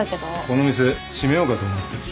この店閉めようかと思ってる。